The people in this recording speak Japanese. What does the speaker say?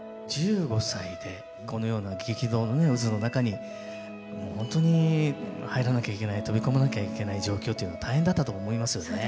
１５歳でこのような激動の渦の中にホントに入らなきゃいけない飛び込まなきゃいけない状況というのは大変だったと思いますよね。